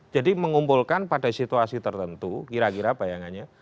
jadi mengumpulkan pada situasi tertentu kira kira bayangannya